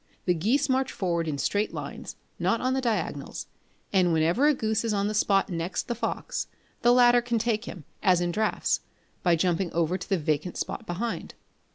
The geese march forward in straight lines, not on the diagonals; and whenever a goose is on the spot next the fox, the latter can take him, as in draughts, by jumping over to the vacant spot beyond.